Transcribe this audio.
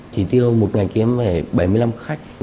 chỉ tiêu một ngày kiếm bảy mươi năm khách